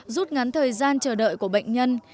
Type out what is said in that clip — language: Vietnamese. rút ngắn thời gian chờ đợi của bệnh nhân